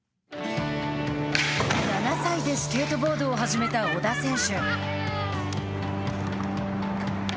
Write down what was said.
７歳でスケートボードを始めた織田選手。